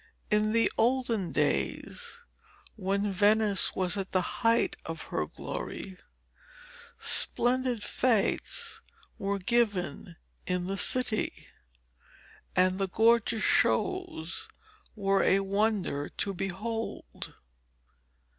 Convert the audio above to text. In the olden days, when Venice was at the height of her glory, splendid fetes were given in the city, and the gorgeous shows were a wonder to behold.